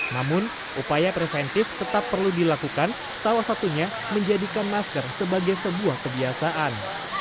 namun upaya preventif tetap perlu dilakukan salah satunya menjadikan masker sebagai sebuah kebiasaan